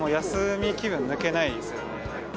休み気分、抜けないですよね。